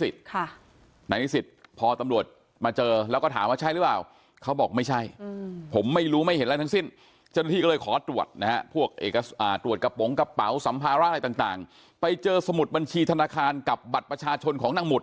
สัมภาระอะไรต่างไปเจอสมุดบัญชีธนาคารกับบัตรประชาชนของนางหมุด